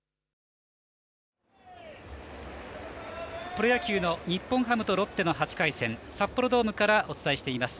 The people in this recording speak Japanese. プロ野球の日本ハムとロッテが８回戦札幌ドームからお伝えしています。